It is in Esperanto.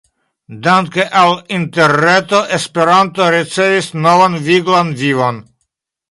Dank’ al Interreto Esperanto ricevis novan viglan vivon.